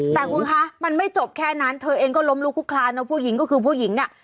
แต่คุณคะมันไม่จบแค่นั้นเธอเองก็ล้มลุกคุกคลานนะผู้หญิงก็คือผู้หญิงอ่ะ